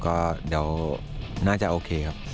ก็เดี๋ยวน่าจะโอเคครับ